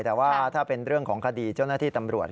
แต่ว่าถ้าเป็นเรื่องของคดีเจ้าหน้าที่ตำรวจ